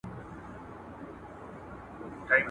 مشر ورور ویل دا هیڅ نه سي کېدلای `